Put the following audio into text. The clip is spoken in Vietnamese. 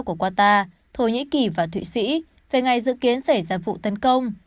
của qatar thổ nhĩ kỳ và thụy sĩ về ngày dự kiến xảy ra vụ tấn công